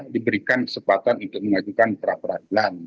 diberikan kesempatan untuk mengajukan pra peradilan